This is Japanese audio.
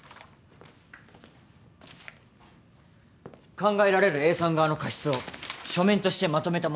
考えられるＡさん側の過失を書面としてまとめたものです。